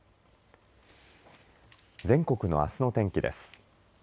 全国のあすの天気です。